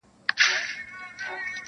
• خدای بېشکه مهربان او نګهبان دی -